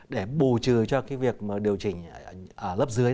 để bù trừ cho cái việc mà điều chỉnh ở lớp dưới